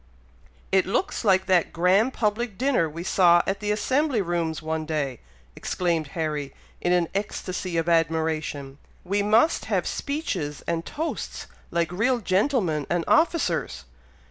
"It looks like that grand public dinner we saw at the Assembly Rooms one day!" exclaimed Harry, in an ecstacy of admiration. "We must have speeches and toasts like real gentlemen and officers.